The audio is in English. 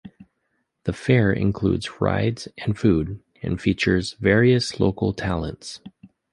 The fair includes rides and food, and features various local talents.